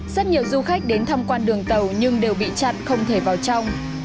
rất nhiều du khách đến thăm quan đường tàu nhưng đều bị chặn không thể vào trong